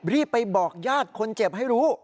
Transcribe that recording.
รีบไปบอกญาติคนเจ็บให้รู้